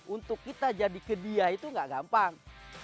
untuk kita jadi ke dia itu nggak gampang